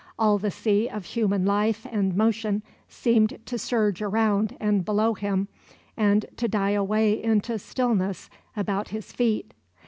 All the sea of human life and motion seemed to surge around and below him, and to die away into stillness about his feet.